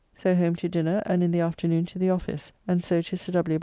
So home to dinner, and in the afternoon to the office, and so to Sir W.